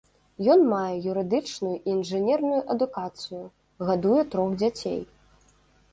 Ён мае юрыдычную і інжынерную адукацыю, гадуе трох дзяцей.